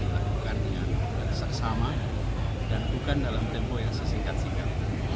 lakukan dengan seksama dan bukan dalam tempo yang sesingkat singkat